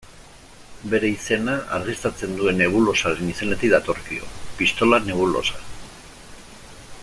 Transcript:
Bere izena, argiztatzen duen nebulosaren izenetik datorkio, Pistola Nebulosa.